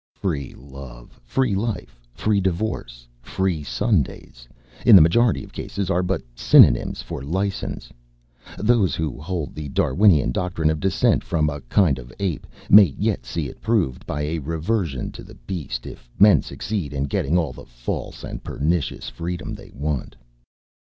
Free love, free life, free divorce, free Sundays, in the majority of cases, are but synonyms for license. Those who hold the Darwinian doctrine of descent from a kind of ape may yet see it proved by a reversion to the beast, if men succeed in getting all the false and pernicious freedom they want."